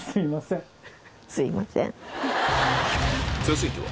続いては